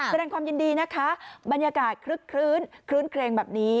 แสดงความยินดีนะคะบรรยากาศคลึกคลื้นคลื้นเครงแบบนี้